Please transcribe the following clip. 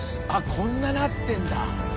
こんななってんだ。